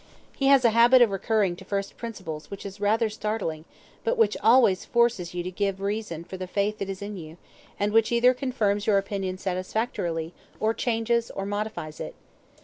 He has a habit of recurring to first principles which is rather startling, but which always forces you to give a reason for the faith that is in you, and which either confirms your opinion satisfactorily, or changes, or modifies it.